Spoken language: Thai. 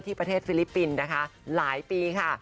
ประเทศฟิลิปปินส์นะคะหลายปีค่ะ